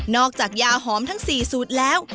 จากยาหอมทั้ง๔สูตรแล้ว